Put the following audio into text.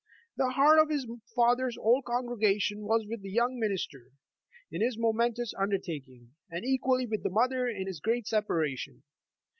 The heart of his father's old congregation was with the young minister in his momentous undertaking, and equalty with the mother in this great separation.